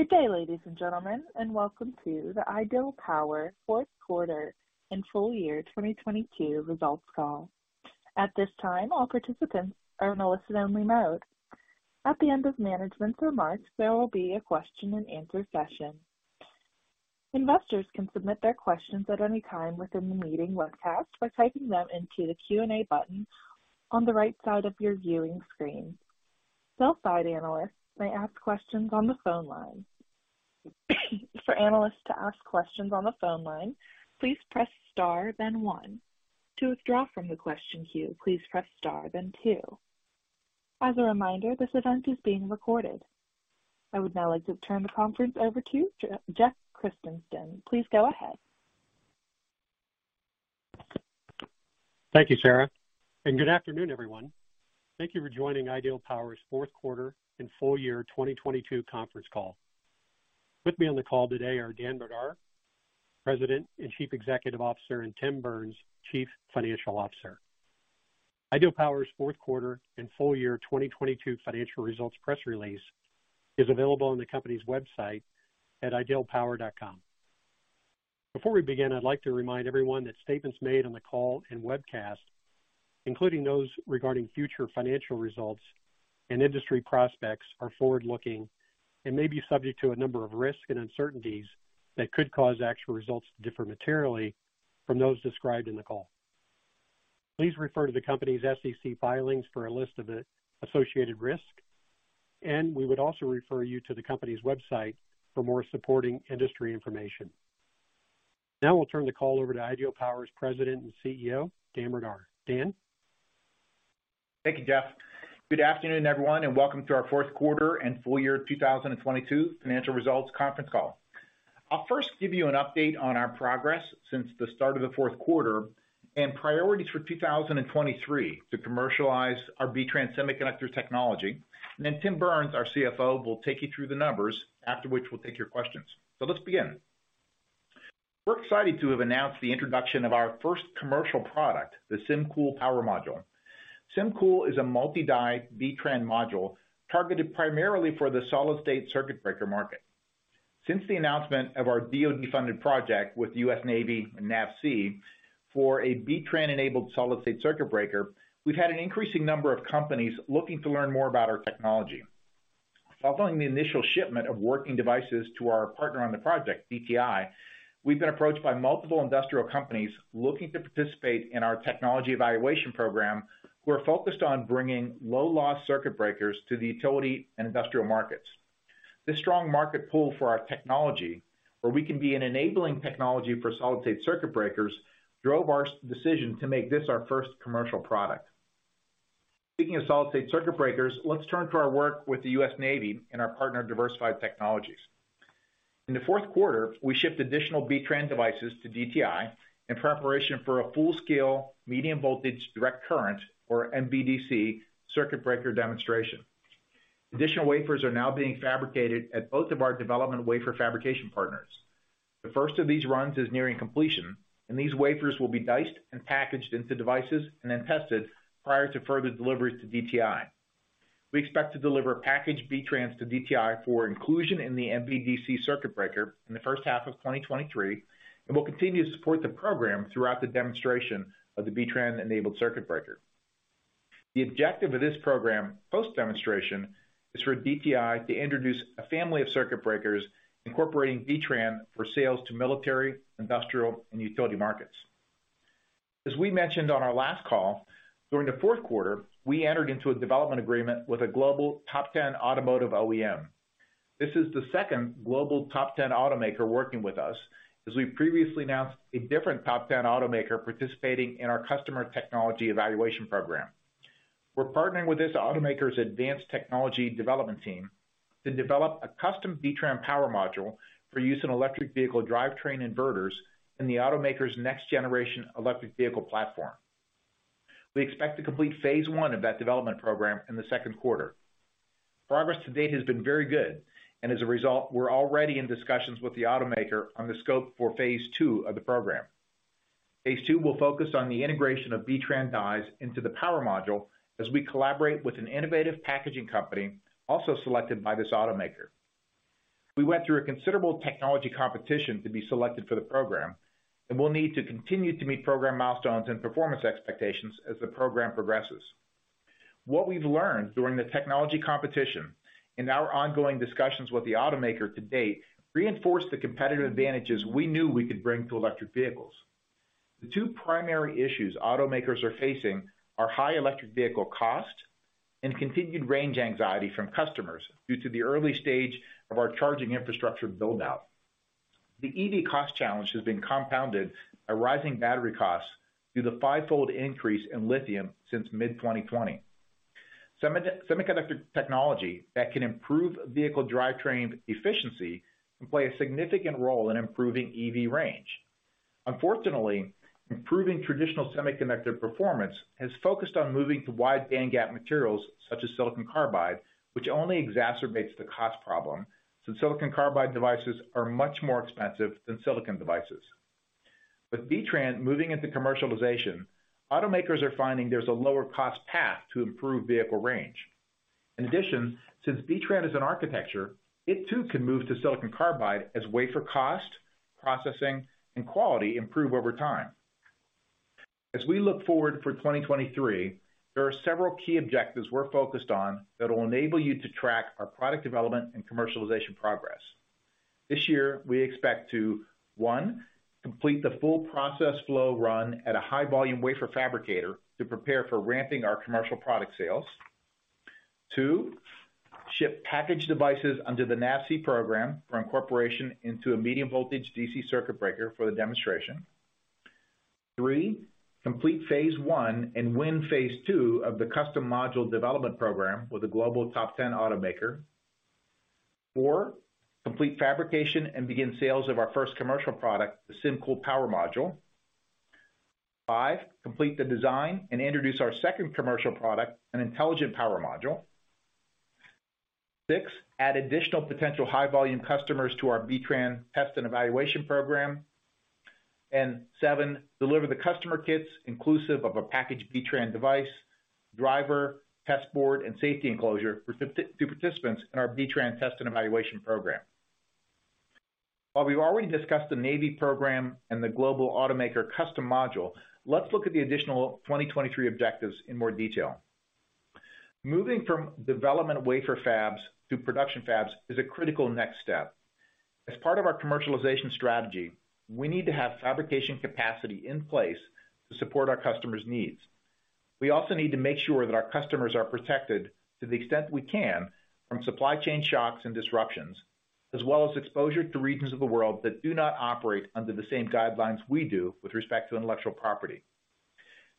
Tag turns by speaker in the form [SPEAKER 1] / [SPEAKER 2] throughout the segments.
[SPEAKER 1] Good day, ladies and gentlemen. Welcome to the Ideal Power fourth quarter and full year 2022 results call. At this time, all participants are in a listen only mode. At the end of management's remarks, there will be a question and answer session. Investors can submit their questions at any time within the meeting webcast by typing them into the Q&A button on the right side of your viewing screen. Sell side analysts may ask questions on the phone line. For analysts to ask questions on the phone line, please press star then one. To withdraw from the question queue, please press star then two. As a reminder, this event is being recorded. I would now like to turn the conference over to Jeff Christensen. Please go ahead.
[SPEAKER 2] Thank you, Sarah, and good afternoon, everyone. Thank you for joining Ideal Power's fourth quarter and full year 2022 conference call. With me on the call today are Dan Brdar, President and Chief Executive Officer, and Tim Burns, Chief Financial Officer. Ideal Power's fourth quarter and full year 2022 financial results press release is available on the company's website at idealpower.com. Before we begin, I'd like to remind everyone that statements made on the call and webcast, including those regarding future financial results and industry prospects, are forward-looking and may be subject to a number of risks and uncertainties that could cause actual results to differ materially from those described in the call. Please refer to the company's SEC filings for a list of the associated risks, and we would also refer you to the company's website for more supporting industry information. Now we'll turn the call over to Ideal Power's President and CEO, Dan Brdar. Dan.
[SPEAKER 3] Thank you, Jeff. Good afternoon, everyone, welcome to our fourth quarter and full year 2022 financial results conference call. I'll first give you an update on our progress since the start of the fourth quarter and priorities for 2023 to commercialize our B-TRAN semiconductor technology. Tim Burns, our CFO, will take you through the numbers after which we'll take your questions. Let's begin. We're excited to have announced the introduction of our first commercial product, the SymCool power module. SymCool is a multi-die B-TRAN module targeted primarily for the solid-state circuit breaker market. Since the announcement of our DoD-funded project with US Navy NAVSEA for a B-TRAN enabled solid-state circuit breaker, we've had an increasing number of companies looking to learn more about our technology. Following the initial shipment of working devices to our partner on the project, DTI, we've been approached by multiple industrial companies looking to participate in our technology evaluation program who are focused on bringing low loss circuit breakers to the utility and industrial markets. This strong market pull for our technology, where we can be an enabling technology for solid-state circuit breakers, drove our decision to make this our first commercial product. Speaking of solid-state circuit breakers, let's turn to our work with the U.S. Navy and our partner, Diversified Technologies. In the fourth quarter, we shipped additional B-TRAN devices to DTI in preparation for a full-scale medium voltage direct current, or MVDC, circuit breaker demonstration. Additional wafers are now being fabricated at both of our development wafer fabrication partners. The first of these runs is nearing completion, and these wafers will be diced and packaged into devices and then tested prior to further deliveries to DTI. We expect to deliver packaged B-TRAN to DTI for inclusion in the MVDC circuit breaker in the first half of 2023, and we'll continue to support the program throughout the demonstration of the B-TRAN enabled circuit breaker. The objective of this program, post-demonstration, is for DTI to introduce a family of circuit breakers incorporating B-TRAN for sales to military, industrial, and utility markets. As we mentioned on our last call, during the fourth quarter, we entered into a development agreement with a global top 10 automotive OEM. This is the second global top 10 automaker working with us, as we previously announced a different top 10 automaker participating in our customer technology evaluation program. We're partnering with this automaker's advanced technology development team to develop a custom B-TRAN power module for use in electric vehicle drivetrain inverters in the automaker's next generation electric vehicle platform. We expect to complete phase I of that development program in the second quarter. Progress to date has been very good, and as a result, we're already in discussions with the automaker on the scope for phase II of the program. Phase II will focus on the integration of B-TRAN dies into the power module as we collaborate with an innovative packaging company also selected by this automaker. We went through a considerable technology competition to be selected for the program, and we'll need to continue to meet program milestones and performance expectations as the program progresses. What we've learned during the technology competition and our ongoing discussions with the automaker to date reinforced the competitive advantages we knew we could bring to electric vehicles. The two primary issues automakers are facing are high electric vehicle cost and continued range anxiety from customers due to the early stage of our charging infrastructure build-out. The EV cost challenge has been compounded by rising battery costs due to the 5-fold increase in lithium since mid-2020. Semiconductor technology that can improve vehicle drivetrain efficiency can play a significant role in improving EV range. Unfortunately, improving traditional semiconductor performance has focused on moving to wide bandgap materials such as silicon carbide, which only exacerbates the cost problem, since silicon carbide devices are much more expensive than silicon devices. With B-TRAN moving into commercialization, automakers are finding there's a lower cost path to improve vehicle range. In addition, since B-TRAN is an architecture, it too can move to silicon carbide as wafer cost, processing, and quality improve over time. As we look forward for 2023, there are several key objectives we're focused on that will enable you to track our product development and commercialization progress. This year, we expect to, 1, complete the full process flow run at a high volume wafer fabricator to prepare for ramping our commercial product sales. 2, ship packaged devices under the NAVSEA program for incorporation into a medium voltage DC circuit breaker for the demonstration. 3, complete phase I and win phase II of the custom module development program with a global top 10 automaker. 4, complete fabrication and begin sales of our first commercial product, the SymCool power module. 5, complete the design and introduce our second commercial product, an intelligent power module. 6, add additional potential high volume customers to our B-TRAN test and evaluation program. 7, deliver the customer kits inclusive of a packaged B-TRAN device, driver, test board, and safety enclosure for 52 participants in our B-TRAN test and evaluation program. While we've already discussed the Navy program and the global automaker custom module, let's look at the additional 2023 objectives in more detail. Moving from development wafer fabs to production fabs is a critical next step. As part of our commercialization strategy, we need to have fabrication capacity in place to support our customers' needs. We also need to make sure that our customers are protected to the extent we can from supply chain shocks and disruptions, as well as exposure to regions of the world that do not operate under the same guidelines we do with respect to intellectual property.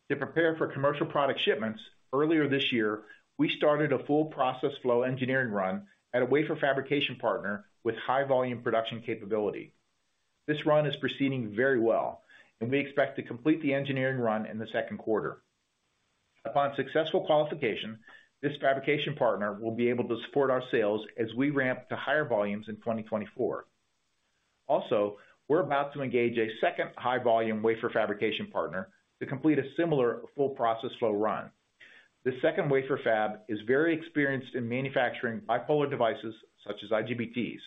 [SPEAKER 3] To prepare for commercial product shipments, earlier this year, we started a full process flow engineering run at a wafer fabrication partner with high volume production capability. This run is proceeding very well, and we expect to complete the engineering run in the second quarter. Upon successful qualification, this fabrication partner will be able to support our sales as we ramp to higher volumes in 2024. We're about to engage a second high volume wafer fabrication partner to complete a similar full process flow run. This second wafer fab is very experienced in manufacturing bipolar devices such as IGBTs.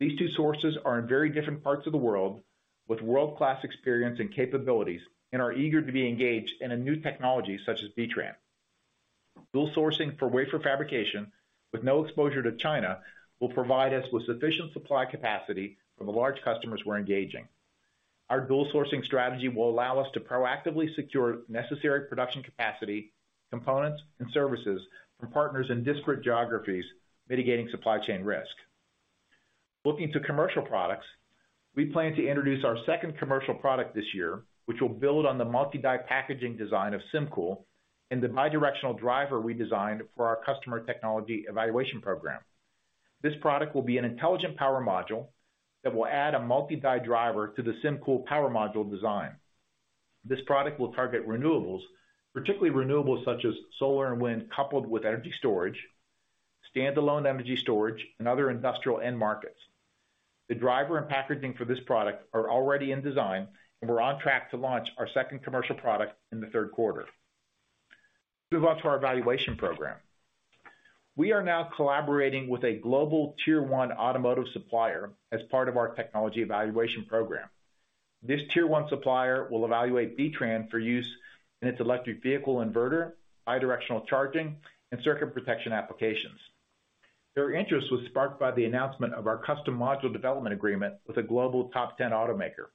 [SPEAKER 3] These two sources are in very different parts of the world with world-class experience and capabilities and are eager to be engaged in a new technology such as B-TRAN. Dual sourcing for wafer fabrication with no exposure to China will provide us with sufficient supply capacity from the large customers we're engaging. Our dual sourcing strategy will allow us to proactively secure necessary production capacity, components, and services from partners in disparate geographies, mitigating supply chain risk. Looking to commercial products, we plan to introduce our second commercial product this year, which will build on the multi-die packaging design of SymCool and the bidirectional driver we designed for our customer technology evaluation program. This product will be an intelligent power module that will add a multi-die driver to the SymCool power module design. This product will target renewables, particularly renewables such as solar and wind, coupled with energy storage, stand-alone energy storage, and other industrial end markets. The driver and packaging for this product are already in design, and we're on track to launch our second commercial product in the 3rd quarter. Move on to our evaluation program. We are now collaborating with a global Tier 1 automotive supplier as part of our technology evaluation program. This Tier 1 supplier will evaluate B-TRAN for use in its electric vehicle inverter, bidirectional charging, and circuit protection applications. Their interest was sparked by the announcement of our custom module development agreement with a global Top 10 automaker.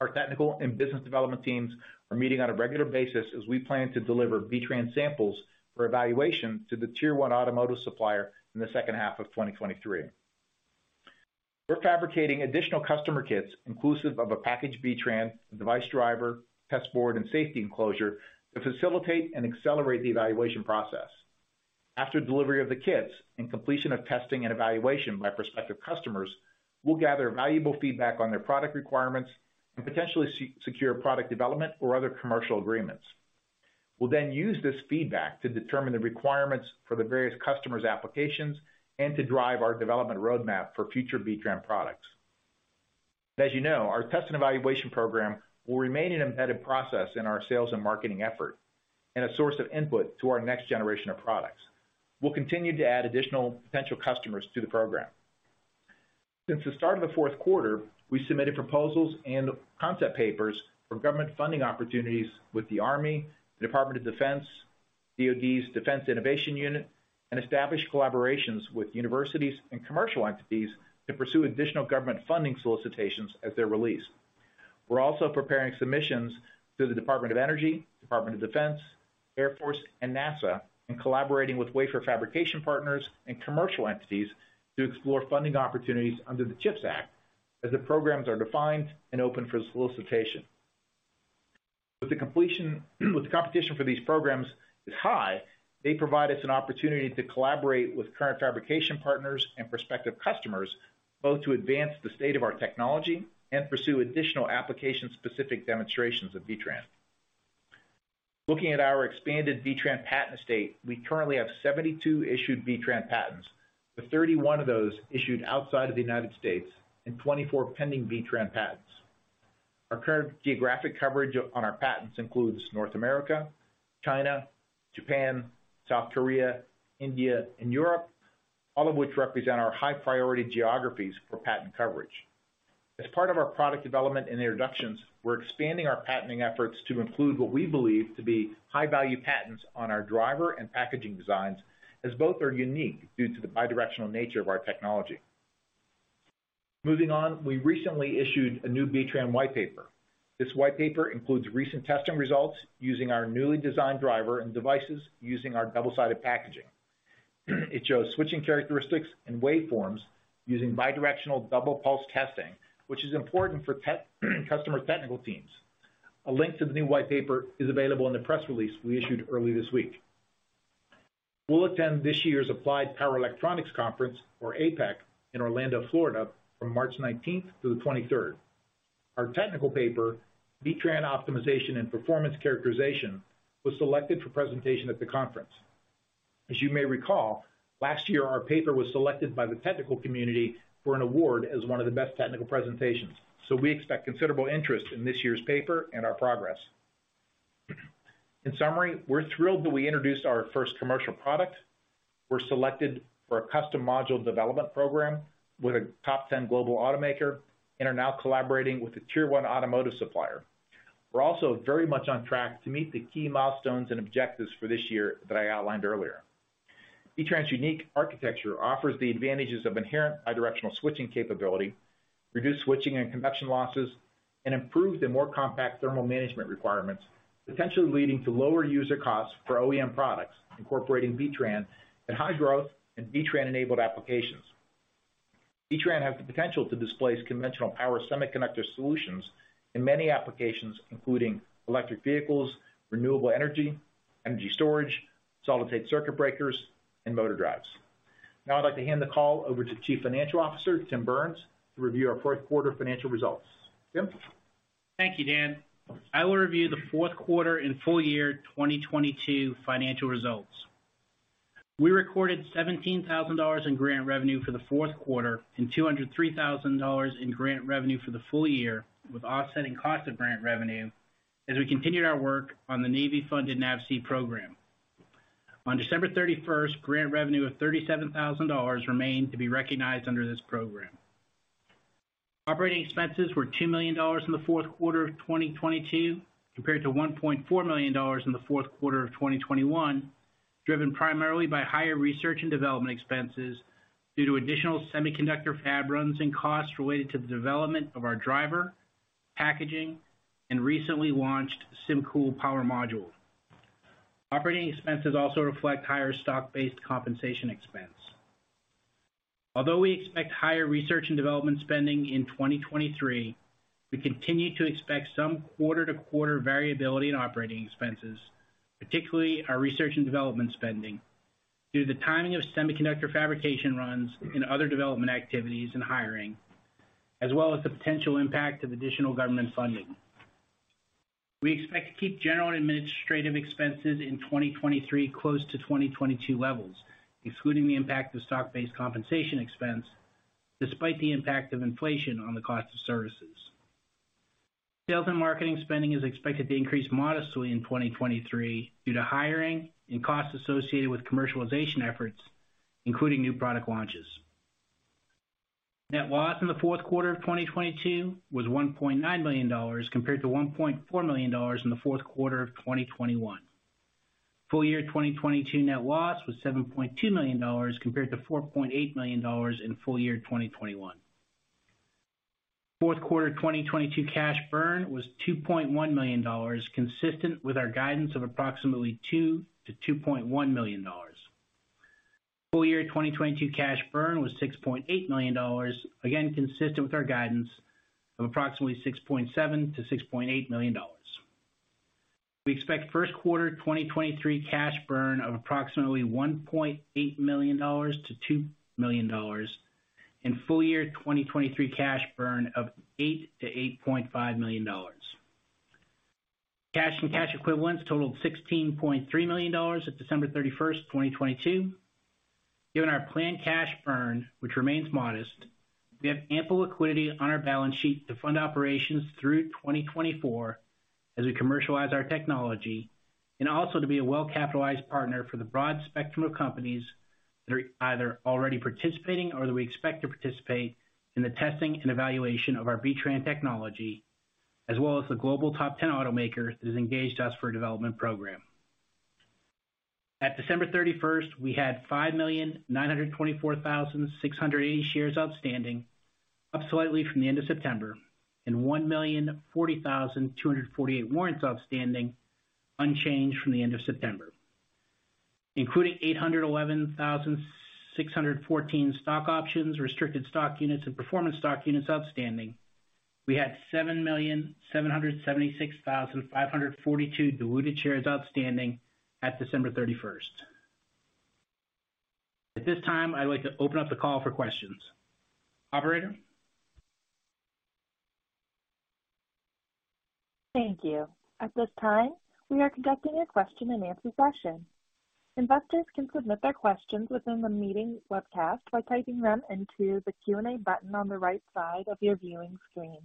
[SPEAKER 3] Our technical and business development teams are meeting on a regular basis as we plan to deliver B-TRAN samples for evaluation to the Tier 1 automotive supplier in the second half of 2023. We're fabricating additional customer kits inclusive of a packaged B-TRAN, device driver, test board, and safety enclosure to facilitate and accelerate the evaluation process. After delivery of the kits and completion of testing and evaluation by prospective customers, we'll gather valuable feedback on their product requirements and potentially secure product development or other commercial agreements. We'll then use this feedback to determine the requirements for the various customers' applications and to drive our development roadmap for future B-TRAN products. As you know, our test and evaluation program will remain an embedded process in our sales and marketing effort and a source of input to our next generation of products. We'll continue to add additional potential customers to the program. Since the start of the fourth quarter, we submitted proposals and concept papers for government funding opportunities with the Army, the Department of Defense, DoD's Defense Innovation Unit, and established collaborations with universities and commercial entities to pursue additional government funding solicitations as they're released. We're also preparing submissions to the Department of Energy, Department of Defense, Air Force, and NASA, collaborating with wafer fabrication partners and commercial entities to explore funding opportunities under the CHIPS Act as the programs are defined and open for solicitation. With the competition for these programs is high, they provide us an opportunity to collaborate with current fabrication partners and prospective customers, both to advance the state of our technology and pursue additional application-specific demonstrations of B-TRAN. Looking at our expanded B-TRAN patent estate, we currently have 72 issued B-TRAN patents, with 31 of those issued outside of the United States and 24 pending B-TRAN patents. Our current geographic coverage on our patents includes North America, China, Japan, South Korea, India, and Europe, all of which represent our high priority geographies for patent coverage. As part of our product development and introductions, we're expanding our patenting efforts to include what we believe to be high value patents on our driver and packaging designs, as both are unique due to the bidirectional nature of our technology. We recently issued a new B-TRAN white paper. This white paper includes recent testing results using our newly designed driver and devices using our double-sided packaging. It shows switching characteristics and waveforms using bidirectional double pulse testing, which is important for customer technical teams. A link to the new white paper is available in the press release we issued early this week. We'll attend this year's Applied Power Electronics Conference, or APEC, in Orlando, Florida, from March 19th through the 23rd. Our technical paper, B-TRAN Optimization and Performance Characterization, was selected for presentation at the conference. As you may recall, last year our paper was selected by the technical community for an award as one of the best technical presentations, so we expect considerable interest in this year's paper and our progress. In summary, we're thrilled that we introduced our first commercial product. We're selected for a custom module development program with a top 10 global automaker and are now collaborating with a Tier 1 automotive supplier. We're also very much on track to meet the key milestones and objectives for this year that I outlined earlier. B-TRAN's unique architecture offers the advantages of inherent bidirectional switching capability, reduced switching and convection losses, and improved and more compact thermal management requirements, potentially leading to lower user costs for OEM products incorporating B-TRAN in high growth and B-TRAN-enabled applications. B-TRAN has the potential to displace conventional power semiconductor solutions in many applications, including electric vehicles, renewable energy storage, solid-state circuit breakers, and motor drives. I'd like to hand the call over to Chief Financial Officer Tim Burns to review our fourth quarter financial results. Tim?
[SPEAKER 4] Thank you, Dan. I will review the fourth quarter and full year 2022 financial results. We recorded $17,000 in grant revenue for the fourth quarter and $203,000 in grant revenue for the full year, with offsetting cost of grant revenue as we continued our work on the Navy-funded NAVSEA program. On December 31st, grant revenue of $37,000 remained to be recognized under this program. Operating expenses were $2 million in the fourth quarter of 2022, compared to $1.4 million in the fourth quarter of 2021, driven primarily by higher research and development expenses due to additional semiconductor fab runs and costs related to the development of our driver, packaging, and recently launched SymCool power module. Operating expenses also reflect higher stock-based compensation expense. Although we expect higher research and development spending in 2023, we continue to expect some quarter-to-quarter variability in operating expenses, particularly our research and development spending, due to the timing of semiconductor fabrication runs and other development activities and hiring, as well as the potential impact of additional government funding. We expect to keep general and administrative expenses in 2023 close to 2022 levels, excluding the impact of stock-based compensation expense, despite the impact of inflation on the cost of services. Sales and marketing spending is expected to increase modestly in 2023 due to hiring and costs associated with commercialization efforts, including new product launches. Net loss in the fourth quarter of 2022 was $1.9 million, compared to $1.4 million in the fourth quarter of 2021. Full year 2022 net loss was $7.2 million, compared to $4.8 million in full year 2021. Fourth quarter 2022 cash burn was $2.1 million, consistent with our guidance of approximately $2 million-$2.1 million. Full year 2022 cash burn was $6.8 million, again, consistent with our guidance of approximately $6.7 million-$6.8 million. We expect first quarter 2023 cash burn of approximately $1.8 million-$2 million and full year 2023 cash burn of $8 million-$8.5 million. Cash and cash equivalents totaled $16.3 million at December 31st, 2022. Given our planned cash burn, which remains modest, we have ample liquidity on our balance sheet to fund operations through 2024 as we commercialize our technology, and also to be a well-capitalized partner for the broad spectrum of companies that are either already participating or that we expect to participate in the testing and evaluation of our B-TRAN technology, as well as the global top 10 automaker that has engaged us for a development program. At December 31st, we had 5,924,680 shares outstanding, up slightly from the end of September, and 1,040,248 warrants outstanding, unchanged from the end of September. Including 811,614 stock options, restricted stock units, and performance stock units outstanding, we had 7,776,542 diluted shares outstanding at December 31st.
[SPEAKER 3] At this time, I'd like to open up the call for questions. Operator?
[SPEAKER 1] Thank you. At this time, we are conducting a question and answer session. Investors can submit their questions within the meeting webcast by typing them into the Q&A button on the right side of your viewing screen.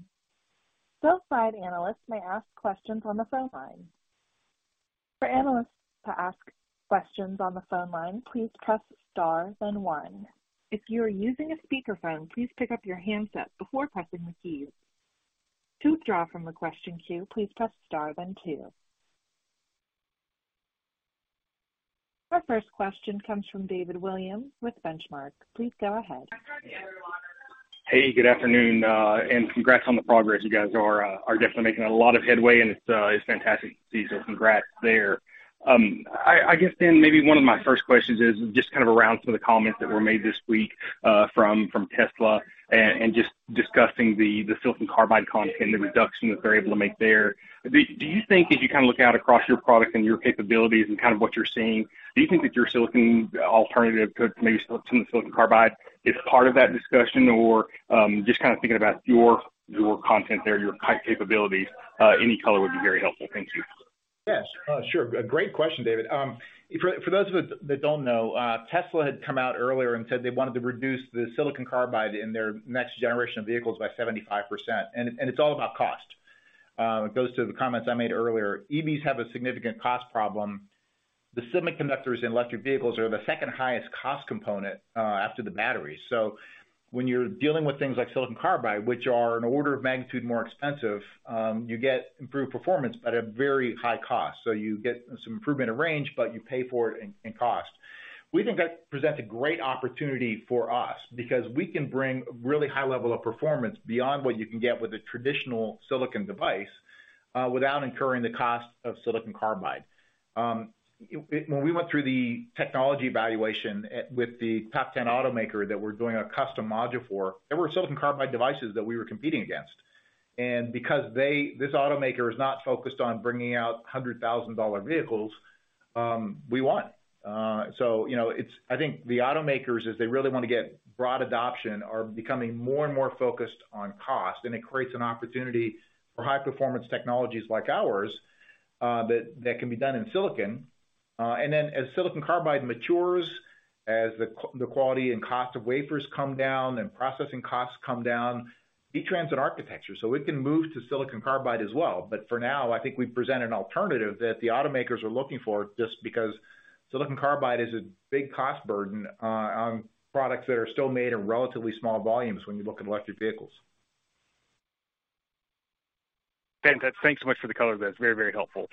[SPEAKER 1] Sell side analysts may ask questions on the phone line. For analysts to ask questions on the phone line, please press star 1. If you are using a speakerphone, please pick up your handset before pressing the keys. To withdraw from the question queue, please press star 2. Our first question comes from David Williams with Benchmark. Please go ahead.
[SPEAKER 5] Hey, good afternoon, and congrats on the progress. You guys are definitely making a lot of headway, and it's fantastic to see. Congrats there. I guess then maybe one of my first questions is just kind of around some of the comments that were made this week, from Tesla and just discussing the silicon carbide content, the reduction that they're able to make there. Do you think as you kind of look out across your products and your capabilities and kind of what you're seeing, do you think that your silicon alternative to maybe some silicon carbide is part of that discussion? Just kind of thinking about your content there, your capabilities, any color would be very helpful. Thank you.
[SPEAKER 3] Yes. Sure. A great question, David. For those of us that don't know, Tesla had come out earlier and said they wanted to reduce the silicon carbide in their next generation of vehicles by 75%. It's all about cost. It goes to the comments I made earlier. EVs have a significant cost problem. The semiconductors in electric vehicles are the second highest cost component, after the batteries. When you're dealing with things like silicon carbide, which are an order of magnitude more expensive, you get improved performance but at a very high cost. You get some improvement in range, but you pay for it in cost. We think that presents a great opportunity for us because we can bring really high level of performance beyond what you can get with a traditional silicon device, without incurring the cost of silicon carbide. When we went through the technology evaluation with the top 10 automaker that we're doing a custom module for, there were silicon carbide devices that we were competing against. Because they, this automaker is not focused on bringing out $100,000 vehicles, we won. You know, I think the automakers, as they really wanna get broad adoption, are becoming more and more focused on cost, and it creates an opportunity for high performance technologies like ours, that can be done in silicon. As silicon carbide matures, as the quality and cost of wafers come down and processing costs come down, it transit architecture. It can move to silicon carbide as well. For now, I think we present an alternative that the automakers are looking for just because silicon carbide is a big cost burden on products that are still made in relatively small volumes when you look at electric vehicles.
[SPEAKER 5] Fantastic. Thanks so much for the color. That's very, very helpful.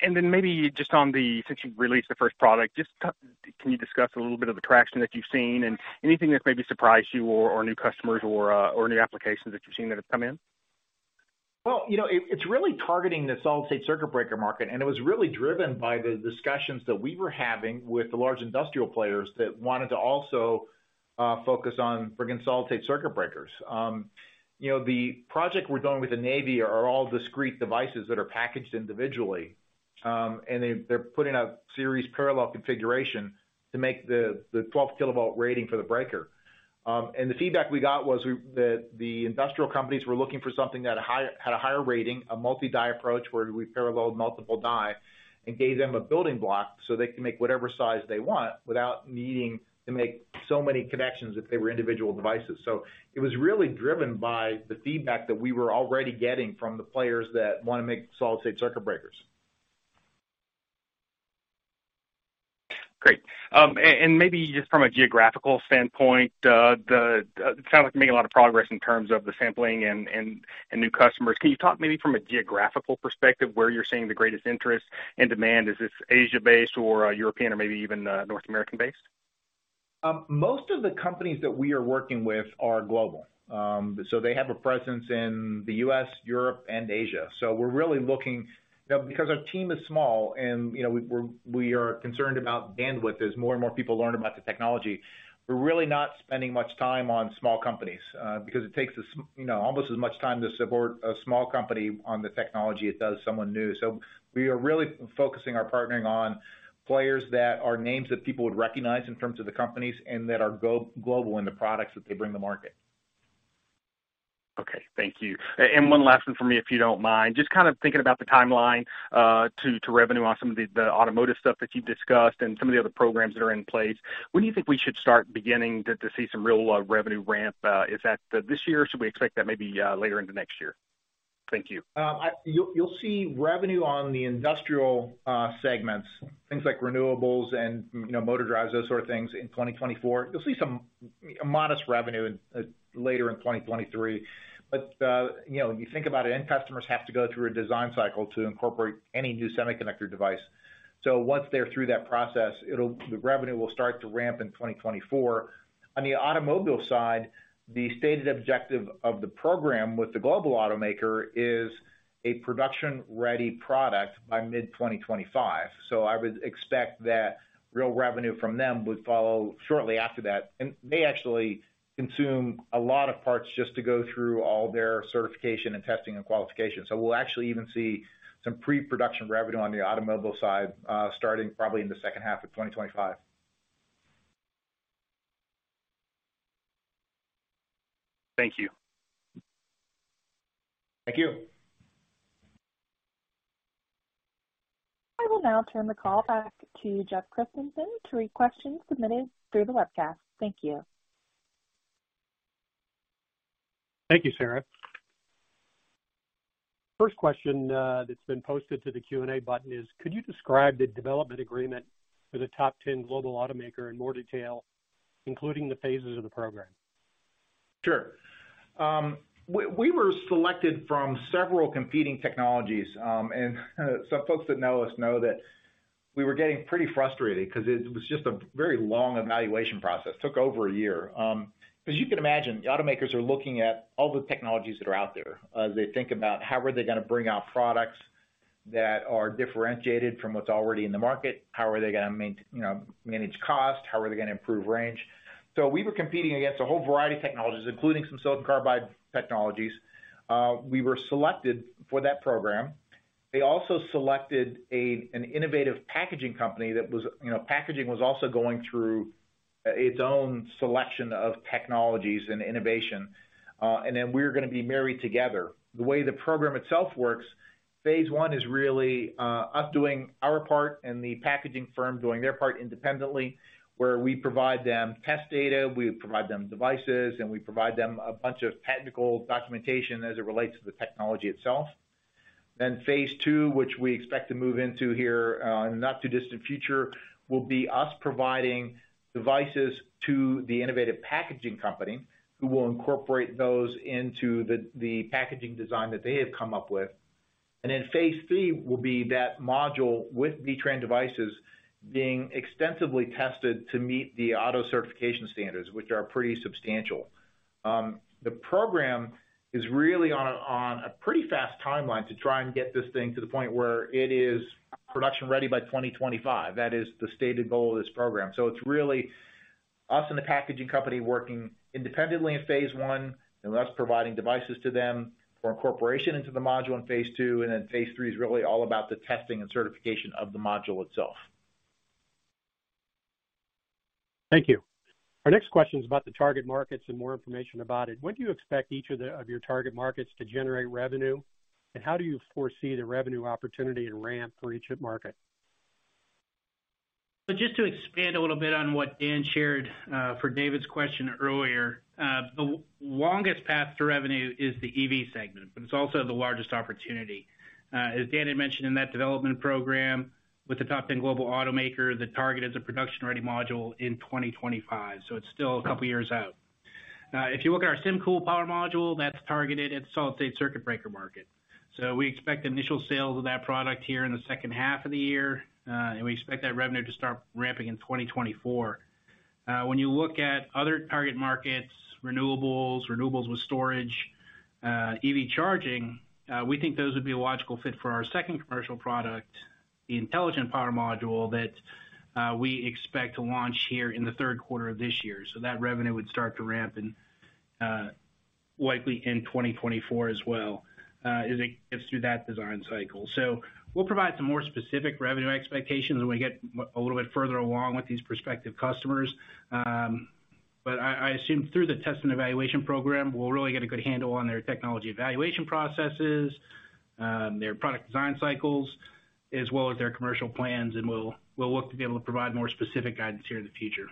[SPEAKER 5] Maybe just on the since you've released the first product, can you discuss a little bit of the traction that you've seen and anything that maybe surprised you or new customers or new applications that you've seen that have come in?
[SPEAKER 3] Well, you know, it's really targeting the solid-state circuit breaker market, and it was really driven by the discussions that we were having with the large industrial players that wanted to also focus on bringing solid-state circuit breakers. You know, the project we're doing with the Navy are all discrete devices that are packaged individually. They're putting a series parallel configuration to make the 12 kilovolt rating for the breaker. The feedback we got was that the industrial companies were looking for something that had a higher rating, a multi-die approach, where we paralleled multiple die and gave them a building block, so they can make whatever size they want without needing to make so many connections if they were individual devices. It was really driven by the feedback that we were already getting from the players that wanna make solid-state circuit breakers.
[SPEAKER 5] Great. Maybe just from a geographical standpoint, it sounds like you're making a lot of progress in terms of the sampling and new customers. Can you talk maybe from a geographical perspective, where you're seeing the greatest interest and demand? Is this Asia-based or European or maybe even North American-based?
[SPEAKER 3] Most of the companies that we are working with are global. They have a presence in the U.S., Europe, and Asia. We're really looking, you know, because our team is small and, you know, we are concerned about bandwidth as more and more people learn about the technology. We're really not spending much time on small companies, because it takes us, you know, almost as much time to support a small company on the technology it does someone new. We are really focusing our partnering on players that are names that people would recognize in terms of the companies and that are global in the products that they bring to market.
[SPEAKER 5] Okay. Thank you. One last one for me, if you don't mind. Just kind of thinking about the timeline, to revenue on some of the automotive stuff that you've discussed and some of the other programs that are in place. When do you think we should start beginning to see some real revenue ramp? Is that this year? Should we expect that maybe later into next year? Thank you.
[SPEAKER 3] You'll see revenue on the industrial segments, things like renewables and, you know, motor drives, those sort of things in 2024. You'll see some, a modest revenue later in 2023. You know, when you think about it, end customers have to go through a design cycle to incorporate any new semiconductor device. Once they're through that process, the revenue will start to ramp in 2024. On the automobile side, the stated objective of the program with the global automaker is a production-ready product by mid-2025. I would expect that real revenue from them would follow shortly after that. They actually consume a lot of parts just to go through all their certification and testing, and qualification. we'll actually even see some pre-production revenue on the automobile side, starting probably in the second half of 2025.
[SPEAKER 5] Thank you.
[SPEAKER 3] Thank you.
[SPEAKER 1] I will now turn the call back to Jeff Christensen to read questions submitted through the webcast. Thank you.
[SPEAKER 2] Thank you, Sarah. First question, that's been posted to the Q&A button is, could you describe the development agreement with the top 10 global automaker in more detail, including the phases of the program?
[SPEAKER 3] Sure. We were selected from several competing technologies, and some folks that know us know that we were getting pretty frustrated because it was just a very long evaluation process. Took over a year. Because you can imagine the automakers are looking at all the technologies that are out there as they think about how are they gonna bring out products that are differentiated from what's already in the market. How are they gonna, you know, manage cost? How are they gonna improve range? We were competing against a whole variety of technologies, including some silicon carbide technologies. We were selected for that program. They also selected an innovative packaging company that was. You know, packaging was also going through its own selection of technologies and innovation, and then we're gonna be married together. The way the program itself works, phase I is really us doing our part and the packaging firm doing their part independently, where we provide them test data, we provide them devices, and we provide them a bunch of technical documentation as it relates to the technology itself. Phase II, which we expect to move into here in the not too distant future, will be us providing devices to the innovative packaging company, who will incorporate those into the packaging design that they have come up with. Phase III will be that module with B-TRAN devices being extensively tested to meet the auto certification standards, which are pretty substantial. The program is really on a pretty fast timeline to try and get this thing to the point where it is production ready by 2025. That is the stated goal of this program. It's really us and the packaging company working independently in phase I and us providing devices to them for incorporation into the module in phase II. Phase III is really all about the testing and certification of the module itself.
[SPEAKER 2] Thank you. Our next question is about the target markets and more information about it. When do you expect each of your target markets to generate revenue, and how do you foresee the revenue opportunity and ramp for each market?
[SPEAKER 4] Just to expand a little bit on what Dan shared for David's question earlier. The longest path to revenue is the EV segment, but it's also the largest opportunity. As Dan had mentioned in that development program with the top 10 global automaker, the target is a production-ready module in 2025, so it's still a couple of years out. If you look at our SymCool power module that's targeted at solid-state circuit breaker market. We expect initial sales of that product here in the second half of the year. We expect that revenue to start ramping in 2024. When you look at other target markets, renewables with storage, EV charging, we think those would be a logical fit for our second commercial product, the intelligent power module that we expect to launch here in the third quarter of this year. That revenue would start to ramp and likely in 2024 as well, as it gets through that design cycle. We'll provide some more specific revenue expectations as we get a little bit further along with these prospective customers. I assume through the test and evaluation program, we'll really get a good handle on their technology evaluation processes, their product design cycles, as well as their commercial plans. We'll look to be able to provide more specific guidance here in the future.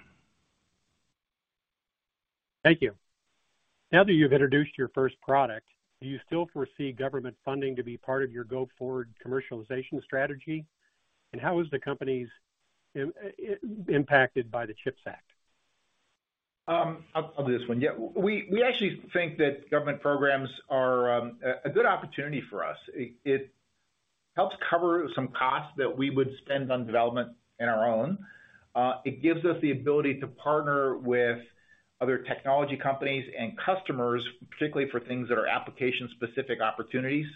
[SPEAKER 2] Thank you. Now that you've introduced your first product, do you still foresee government funding to be part of your go forward commercialization strategy? How is the companies impacted by the CHIPS Act?
[SPEAKER 3] I'll do this one. Yeah. We actually think that government programs are a good opportunity for us. It helps cover some costs that we would spend on development in our own. It gives us the ability to partner with other technology companies and customers, particularly for things that are application specific opportunities,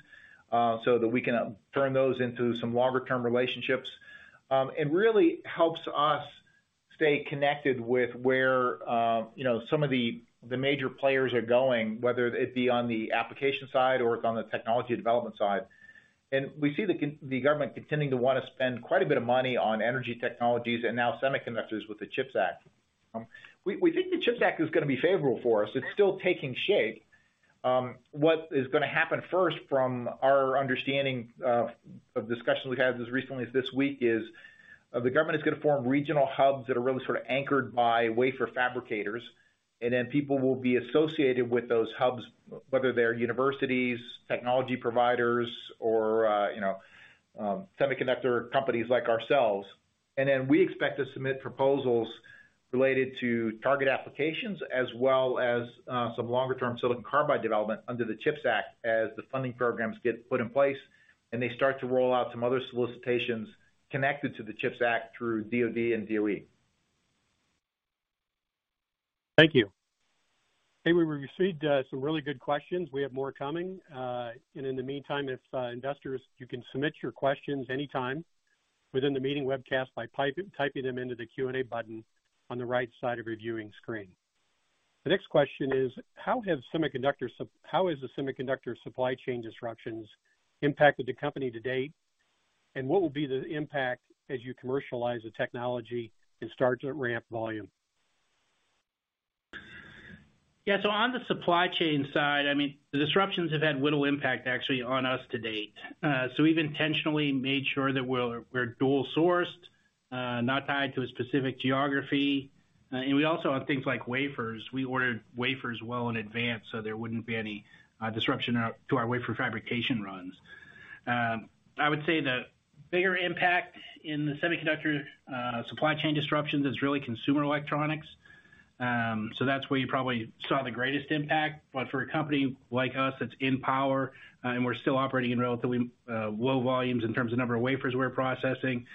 [SPEAKER 3] so that we can turn those into some longer term relationships. It really helps us stay connected with where, you know, some of the major players are going, whether it be on the application side or it's on the technology development side. We see the government continuing to wanna spend quite a bit of money on energy technologies and now semiconductors with the CHIPS Act. We think the CHIPS Act is gonna be favorable for us. It's still taking shape. What is gonna happen first from our understanding of discussions we've had as recently as this week, is, the government is gonna form regional hubs that are really sort of anchored by wafer fabricators, and then people will be associated with those hubs, whether they're universities, technology providers or, you know, semiconductor companies like ourselves. We expect to submit proposals related to target applications as well as, some longer term silicon carbide development under the CHIPS Act as the funding programs get put in place and they start to roll out some other solicitations connected to the CHIPS Act through DoD and DoE.
[SPEAKER 2] Thank you. Okay, we received some really good questions. We have more coming. In the meantime, if investors, you can submit your questions anytime within the meeting webcast by typing them into the Q&A button on the right side of your viewing screen. The next question is: how have semiconductor how has the semiconductor supply chain disruptions impacted the company to date? What will be the impact as you commercialize the technology and start to ramp volume?
[SPEAKER 4] On the supply chain side, I mean, the disruptions have had little impact actually on us to date. We've intentionally made sure that we're dual sourced, not tied to a specific geography. We also have things like wafers. We ordered wafers well in advance, there wouldn't be any disruption out to our wafer fabrication runs. I would say the bigger impact in the semiconductor supply chain disruptions is really consumer electronics. That's where you probably saw the greatest impact. For a company like us that's in power and we're still operating in relatively low volumes in terms of number of wafers we're processing,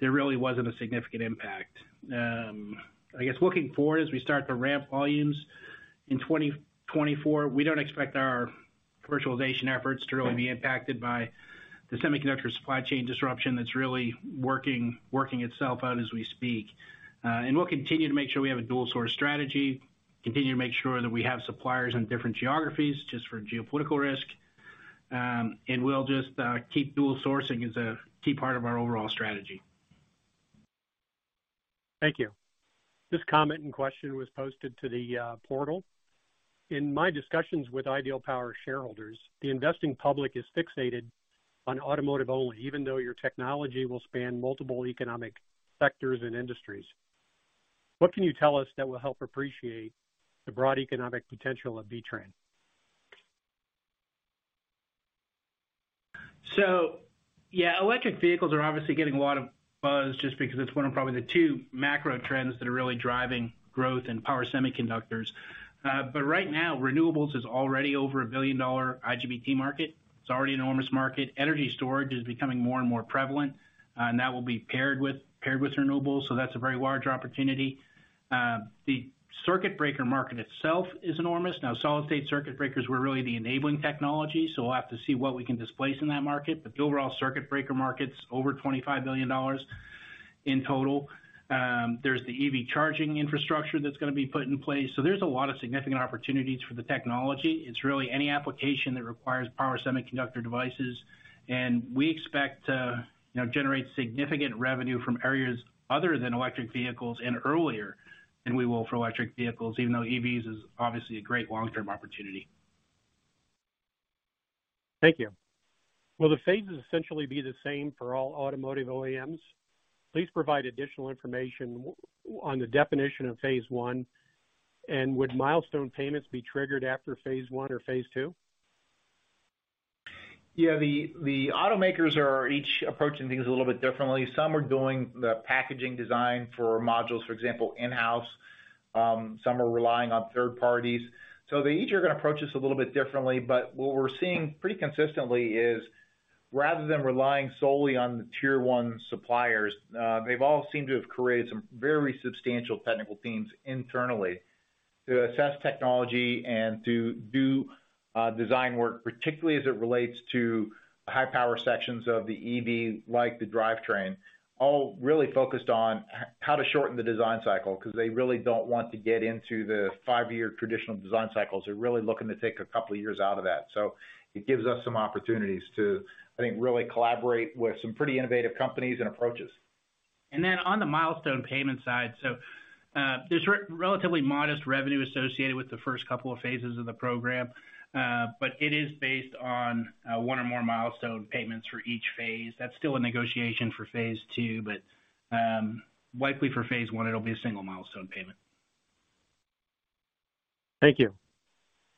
[SPEAKER 4] there really wasn't a significant impact. I guess looking forward, as we start to ramp volumes in 2024, we don't expect our commercialization efforts to really be impacted by the semiconductor supply chain disruption that's really working itself out as we speak. We'll continue to make sure we have a dual source strategy, continue to make sure that we have suppliers in different geographies just for geopolitical risk. We'll just keep dual sourcing as a key part of our overall strategy.
[SPEAKER 2] Thank you. This comment and question was posted to the portal. In my discussions with Ideal Power shareholders, the investing public is fixated on automotive only, even though your technology will span multiple economic sectors and industries. What can you tell us that will help appreciate the broad economic potential of B-TRAN?
[SPEAKER 4] Yeah, electric vehicles are obviously getting a lot of buzz just because it's one of probably the two macro trends that are really driving growth in power semiconductors. Right now, renewables is already over a $1 billion IGBT market. It's already an enormous market. Energy storage is becoming more and more prevalent, and that will be paired with renewables, so that's a very large opportunity. The circuit breaker market itself is enormous. Now, solid-state circuit breakers were really the enabling technology, so we'll have to see what we can displace in that market. The overall circuit breaker market's over $25 billion in total. There's the EV charging infrastructure that's gonna be put in place. There's a lot of significant opportunities for the technology. It's really any application that requires power semiconductor devices, and we expect to, you know, generate significant revenue from areas other than electric vehicles and earlier than we will for electric vehicles, even though EVs is obviously a great long-term opportunity.
[SPEAKER 2] Thank you. Will the phases essentially be the same for all automotive OEMs? Please provide additional information on the definition of phase I, and would milestone payments be triggered after phase I or phase II?
[SPEAKER 3] Yeah, the automakers are each approaching things a little bit differently. Some are doing the packaging design for modules, for example, in-house. Some are relying on third parties. They each are gonna approach this a little bit differently, but what we're seeing pretty consistently is rather than relying solely on the tier one suppliers, they've all seemed to have created some very substantial technical teams internally to assess technology and to do design work, particularly as it relates to high power sections of the EV, like the drivetrain, all really focused on how to shorten the design cycle because they really don't want to get into the five-year traditional design cycles. They're really looking to take a couple of years out of that. It gives us some opportunities to, I think, really collaborate with some pretty innovative companies and approaches. On the milestone payment side, there's relatively modest revenue associated with the first couple of phases of the program, but it is based on one or more milestone payments for each phase. That's still a negotiation for phase II, but likely for phase I, it'll be a single milestone payment.
[SPEAKER 2] Thank you.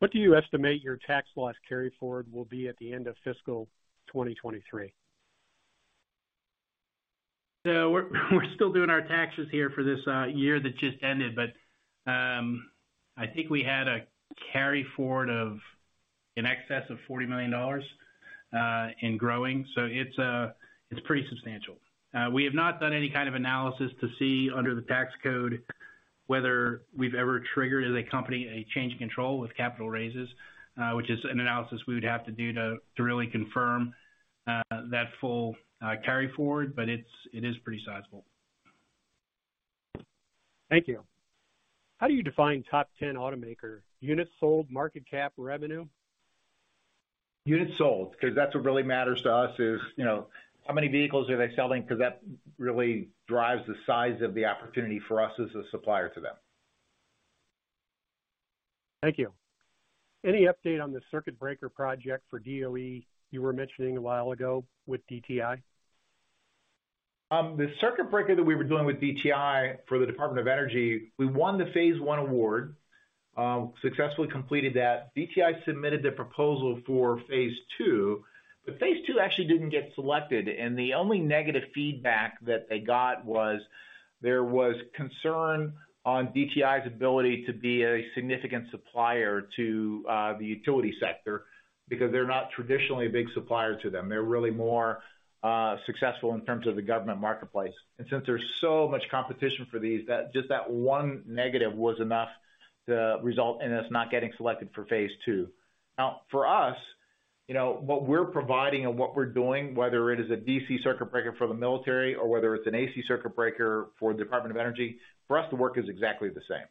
[SPEAKER 2] What do you estimate your tax loss carry forward will be at the end of fiscal 2023?
[SPEAKER 4] We're still doing our taxes here for this year that just ended, but I think we had a carry forward of in excess of $40 million in growing. It's pretty substantial. We have not done any kind of analysis to see under the tax code whether we've ever triggered, as a company, a change in control with capital raises, which is an analysis we would have to do to really confirm that full carry forward, but it is pretty sizable.
[SPEAKER 2] Thank you. How do you define top ten automaker? Units sold, market cap, revenue?
[SPEAKER 3] Units sold, because that's what really matters to us is, you know, how many vehicles are they selling, because that really drives the size of the opportunity for us as a supplier to them.
[SPEAKER 2] Thank you. Any update on the circuit breaker project for DOE you were mentioning a while ago with DTI?
[SPEAKER 3] The circuit breaker that we were doing with DTI for the Department of Energy, we won the phase I award, successfully completed that. DTI submitted the proposal for phase II. Phase II actually didn't get selected. The only negative feedback that they got was there was concern on DTI's ability to be a significant supplier to the utility sector because they're not traditionally a big supplier to them. They're really more successful in terms of the government marketplace. Since there's so much competition for these, that just that one negative was enough to result in us not getting selected for phase I. For us, you know, what we're providing and what we're doing, whether it is a DC circuit breaker for the military or whether it's an AC circuit breaker for the Department of Energy, for us, the work is exactly the same.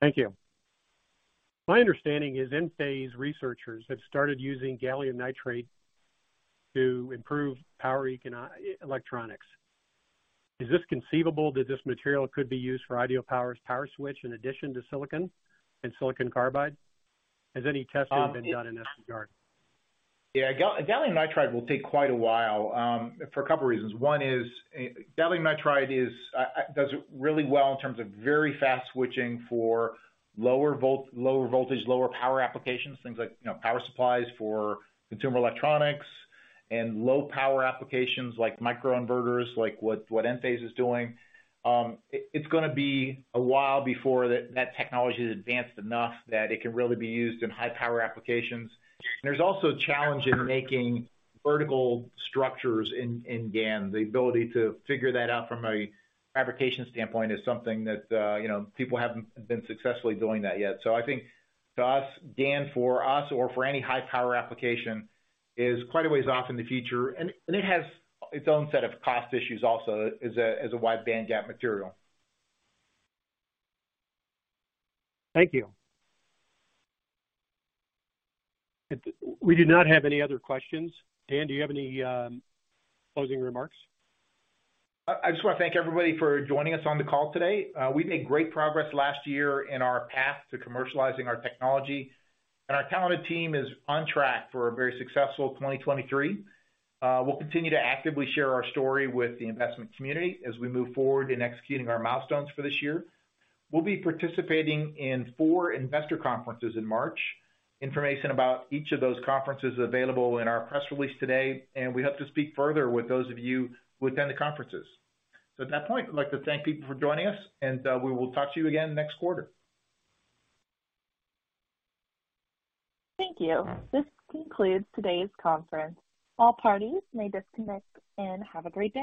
[SPEAKER 2] Thank you. My understanding is Enphase researchers have started using gallium nitride to improve power electronics. Is this conceivable that this material could be used for Ideal Power's power switch in addition to silicon and silicon carbide? Has any testing been done in this regard?
[SPEAKER 3] Yeah. Gallium nitride will take quite a while for a couple reasons. One is, gallium nitride does really well in terms of very fast switching for lower voltage, lower power applications, things like, you know, power supplies for consumer electronics and low power applications like micro inverters, like what Enphase is doing. It's gonna be a while before that technology is advanced enough that it can really be used in high power applications. There's also a challenge in making vertical structures in GaN. The ability to figure that out from a fabrication standpoint is something that, you know, people haven't been successfully doing that yet. I think to us, GaN for us or for any high power application is quite a ways off in the future, and it has its own set of cost issues also as a wide bandgap material.
[SPEAKER 2] Thank you. We do not have any other questions. Dan, do you have any closing remarks?
[SPEAKER 3] I just wanna thank everybody for joining us on the call today. We made great progress last year in our path to commercializing our technology, and our talented team is on track for a very successful 2023. We'll continue to actively share our story with the investment community as we move forward in executing our milestones for this year. We'll be participating in four investor conferences in March. Information about each of those conferences available in our press release today. We hope to speak further with those of you who attend the conferences. At that point, I'd like to thank people for joining us, and we will talk to you again next quarter.
[SPEAKER 1] Thank you. This concludes today's conference. All parties may disconnect and have a great day.